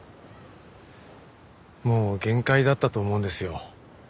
もう限界だったと思うんですよ。